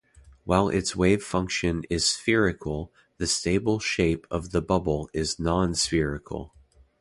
While its wave function is spherical, the stable shape of the bubble is nonspherical.